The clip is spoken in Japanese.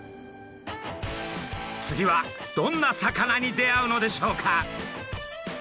次はどんな魚に出会うのでしょうか？